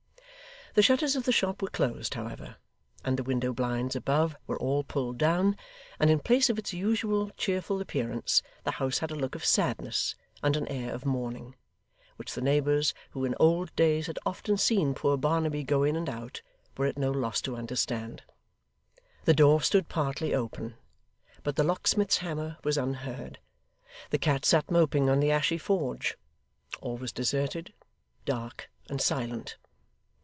The shutters of the shop were closed, however, and the window blinds above were all pulled down, and in place of its usual cheerful appearance, the house had a look of sadness and an air of mourning; which the neighbours, who in old days had often seen poor Barnaby go in and out, were at no loss to understand. The door stood partly open; but the locksmith's hammer was unheard; the cat sat moping on the ashy forge; all was deserted, dark, and silent.